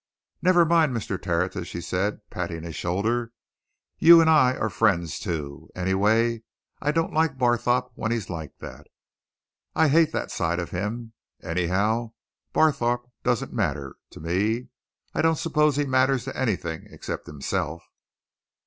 "Never mind, Mr. Tertius!" she said, patting his shoulders. "You and I are friends, too, anyway. I don't like Barthorpe when he's like that I hate that side of him. And anyhow, Barthorpe doesn't matter to me. I don't suppose he matters to anything except himself."